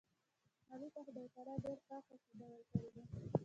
علي ته خدای تعالی ډېره پاکه عقیده ورکړې ده.